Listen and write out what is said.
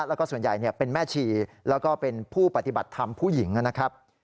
แล้วก็ส่วนใหญ่เป็นแม่ชีแล้วก็เป็นผู้ปฏิบัติธรรมผู้หญิงนะครับ